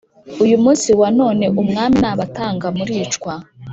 Uyu munsi wa none Umwami nabatanga muricwa